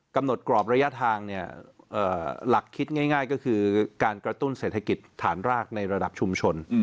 กำหนดกรอบระยะทางหลักคิดง่ายก็คือการกระตุ้นเศรษฐกิจฐานรากในระดับชุมชน